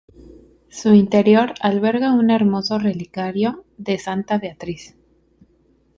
Su interior alberga un hermoso relicario de Santa Beatriz.